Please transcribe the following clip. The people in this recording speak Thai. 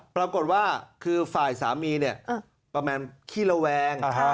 ปรากฏว่าคือฝ่ายสามีเนี่ยประมาณขี้ระแวง